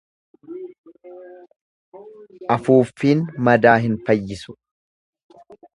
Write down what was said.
Afuffin madaa hin fayyisu.